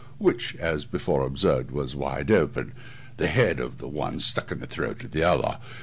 which, as before observed, was wide open; the head of the one stuck in the throat of the other!